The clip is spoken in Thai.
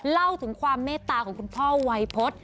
เล่าถึงความเมตตาของคุณพ่อวัยพฤษ